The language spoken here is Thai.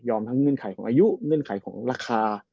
ทั้งเงื่อนไขของอายุเงื่อนไขของราคา